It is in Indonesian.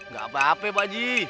gak apa apa pak ji